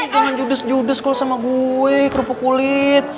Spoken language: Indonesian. jangan judes judes sama gue kerupuk kulit